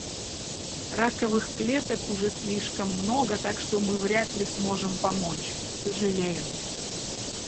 Раковых клеток уже слишком много, так что мы вряд ли сможем помочь. Сожалею...